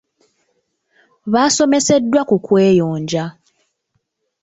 Baasomeseddwa ku kweyonja.